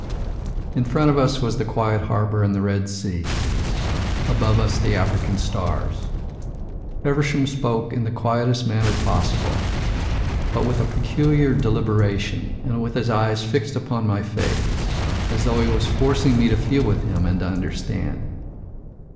"In front of us was the quiet harbour and the Red Sea, above us the African stars. Feversham spoke in the quietest manner possible, but with a peculiar deliberation and with his eyes fixed upon my face, as though he was forcing me to feel with him and to understand.